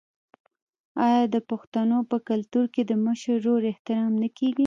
آیا د پښتنو په کلتور کې د مشر ورور احترام نه کیږي؟